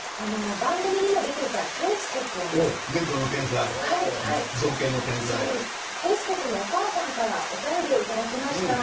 けいすけくんのお母さんからお便りを頂きました。